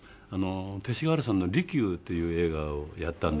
勅使河原さんの『利休』という映画をやったんで。